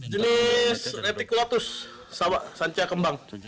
jenis reticulatus sanca kembang